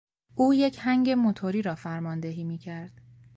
او یک هنگ موتوری را فرماندهی میکرد.